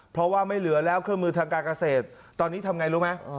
เพราะว่าไม่เหลือแล้วเครื่องมือทางการเกษตรตอนนี้ทำไงรู้ไหม